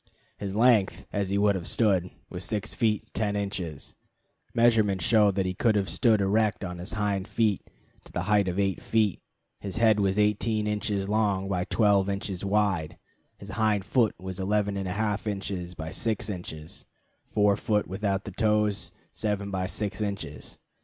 His length, as he would have stood, was 6 feet 10 inches. Measurements show that he could have stood erect on his hind feet to the height of 8 feet. His head was 18 inches long by 12 inches wide; his hind foot 11 1/2 inches by 6 inches; fore foot, without the toes, 7 by 6 inches.